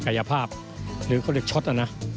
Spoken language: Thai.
กายภาพหรือเขาเรียกช็อตนะนะ